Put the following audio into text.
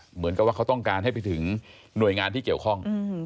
เหมือนกับว่าเขาต้องการให้ไปถึงหน่วยงานที่เกี่ยวข้อง